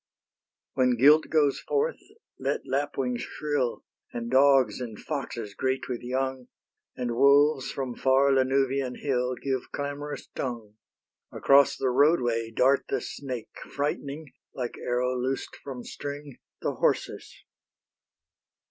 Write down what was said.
When guilt goes forth, let lapwings shrill, And dogs and foxes great with young, And wolves from far Lanuvian hill, Give clamorous tongue: Across the roadway dart the snake, Frightening, like arrow loosed from string, The horses.